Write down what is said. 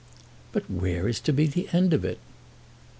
"But where is to be the end of it?"